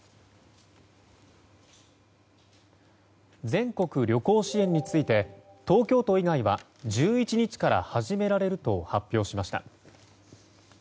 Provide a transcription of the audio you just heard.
全国旅行支援について東京都以外は１１日から始められると発表しました。